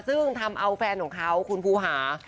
ซึ่งทำเอาแฟนของเขาคุณภูหา